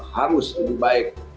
harus itu baik